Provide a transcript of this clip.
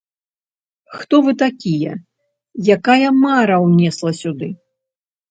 Хто вы такія, якая мара ўнесла сюды?